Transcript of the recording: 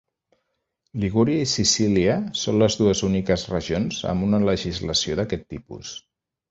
Ligúria i Sicília són les dues úniques regions amb una legislació d'aquest tipus.